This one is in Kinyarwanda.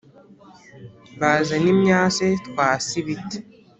Bazane imyase twase ibiti